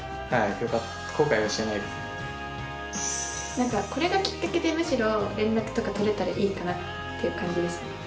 何かこれがきっかけでむしろ連絡とか取れたらいいかなっていう感じですね